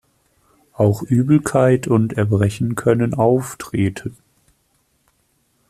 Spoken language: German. Auch Übelkeit und Erbrechen können auftreten.